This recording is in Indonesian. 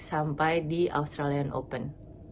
sampai di australian open